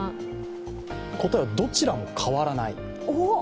答えはどちらも変わらない。